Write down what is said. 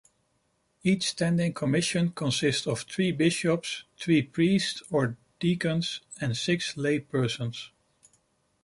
Each standing commission consists of three bishops, three priests or deacons, and six laypersons.